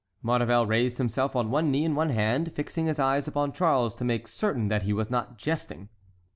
Maurevel raised himself on one knee and one hand, fixing his eyes upon Charles to make certain that he was not jesting.